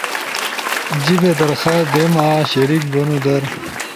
جیِبی درخواست دیما، شریک بونو در